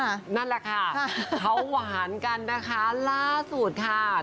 นั่นแหละค่ะเขาหวานกันนะคะล่าสุดค่ะ